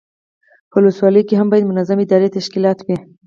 په ولسوالیو کې هم باید منظم اداري تشکیلات وي.